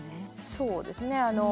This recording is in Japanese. そうですね。